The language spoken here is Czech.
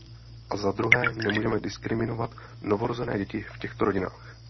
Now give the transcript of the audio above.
A zadruhé nemůžeme diskriminovat novorozené děti v těchto rodinách.